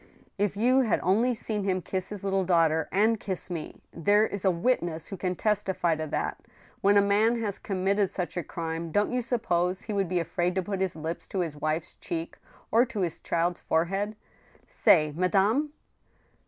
" If you had only seen him kiss his little daughter and kiss me ! There is a witness who can testify to that !... When a man has committed such a crime, don't you suppose he would be afraid to put his lips to his wife's cheek or to his child's forehead ? Say, madame